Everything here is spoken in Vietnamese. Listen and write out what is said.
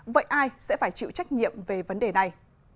vậy ai sẽ phải chịu trách nhiệm về vấn đề này